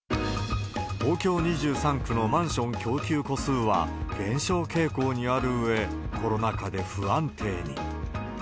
東京２３区のマンション供給戸数は減少傾向にあるうえ、コロナ禍で不安定に。